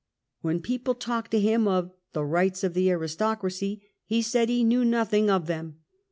When people talked to him of "the rights of the aristocracy," he said he knew nothing of them.